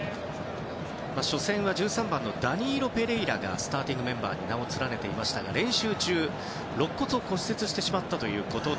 初戦は１３番のダニーロ・ペレイラがスターティングメンバーに名を連ねていましたが練習中、ろっ骨を骨折してしまったということで。